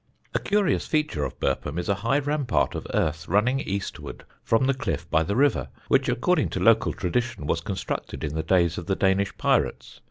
"A curious feature of Burpham is a high rampart of earth, running eastward from the cliff by the river, which according to local tradition was constructed in the days of the Danish pirates.